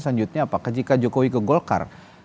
selanjutnya apa jika jokowi ke golkar